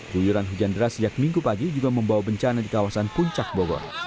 guyuran hujan deras sejak minggu pagi juga membawa bencana di kawasan puncak bogor